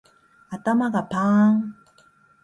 頭がパーン